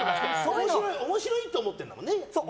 面白いと思ってるんだもんね。